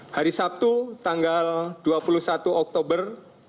hari sabtu tanggal dua puluh satu oktober